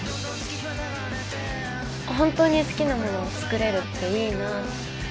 「本当に好きなものを作れるっていいな」